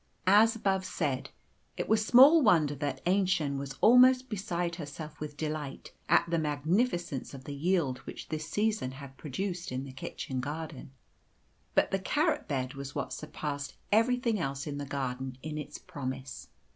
As above said, it was small wonder that Aennchen was almost beside herself with delight at the magnificence of the yield which this season had produced in the kitchen garden. But the carrot bed was what surpassed everything else in the garden in its promise.